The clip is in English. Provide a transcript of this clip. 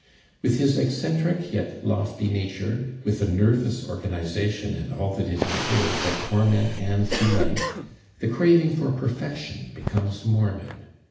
With his eccentric, yet lofty nature, with a nervous organization and all that it entails of torment and delight, the craving for perfection becomes morbid.